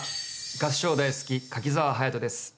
合唱大好き、柿澤勇人です。